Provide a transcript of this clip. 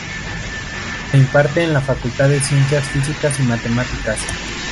Se imparte en la Facultad de Ciencias Físicas y Matemáticas.